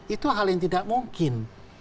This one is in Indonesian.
itu hal yang tidak mungkin